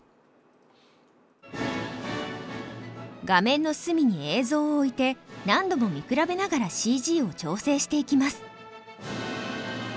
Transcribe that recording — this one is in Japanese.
画面の隅に映像を置いて何度も見比べながらＣＧを調整していきます。